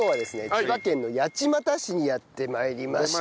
千葉県の八街市にやって参りました。